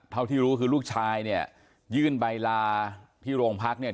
เท่าที่รู้คือลูกชายเนี่ยยื่นใบลาที่โรงพักเนี่ย